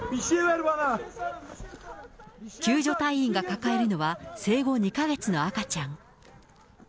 救助隊員が抱えているのは生後２か月の赤ちゃん。